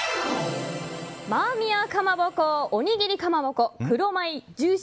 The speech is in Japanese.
マーミヤかまぼこおにぎりかまぼこ